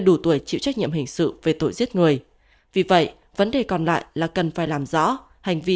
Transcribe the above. đủ tuổi chịu trách nhiệm hình sự về tội giết người vì vậy vấn đề còn lại là cần phải làm rõ hành vi